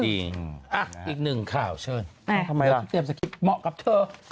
อีกหนึ่งข่าวเชิญเราที่เตรียมสคริปเหมาะกับเธอ